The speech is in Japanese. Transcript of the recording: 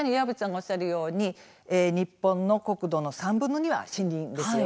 おっしゃるように日本の国土の３分の２は森林です。